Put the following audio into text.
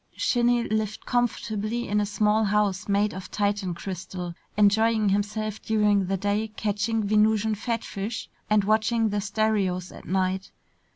Shinny lived comfortably in a small house made of Titan crystal, enjoying himself during the day catching Venusian fatfish and watching the stereos at night.